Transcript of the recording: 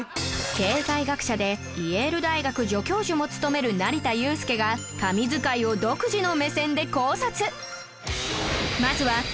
経済学者でイェール大学助教授も務める成田悠輔が神図解を独自の目線で考察